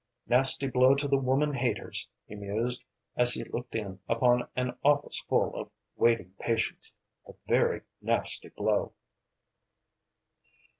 Nasty blow to the woman haters," he mused, as he looked in upon an office full of waiting patients, "a very nasty blow."